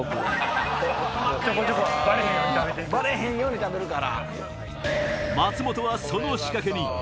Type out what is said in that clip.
バレへんように食べるから。